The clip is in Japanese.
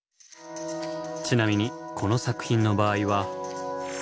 ちなみにこの作品の場合は。